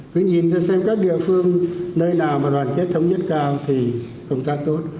cứ nhìn ra xem các địa phương nơi nào mà đoàn kết thống nhất cao thì công tác tốt